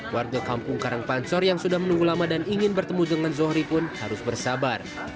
warga kampung karangpansor yang sudah menunggu lama dan ingin bertemu dengan zohri pun harus bersabar